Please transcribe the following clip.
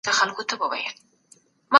موږ د سياست په اړه نوي نظرونه وړاندې کوو.